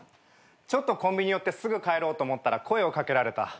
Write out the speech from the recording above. ちょっとコンビニ寄ってすぐ帰ろうと思ったら声を掛けられた。